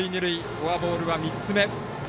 フォアボールは３つ目。